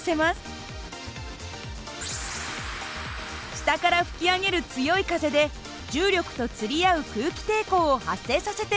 下から吹き上げる強い風で重力と釣り合う空気抵抗を発生させているんです。